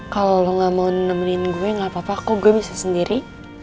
kalau lo nggak mau nemenin gue nggak papa kok gue bisa sendiri